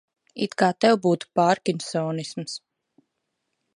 It kā tev būtu pārkinsonisms.